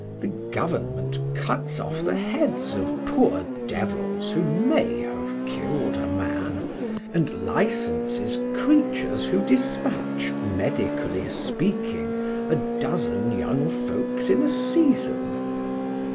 The Government cuts off the heads of poor devils who may have killed a man and licenses creatures who despatch, medically speaking, a dozen young folks in a season.